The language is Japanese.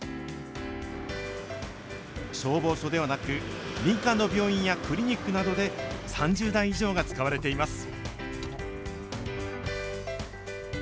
消防署ではなく、民間の病院やクリニックなどで３０台以上が使われています。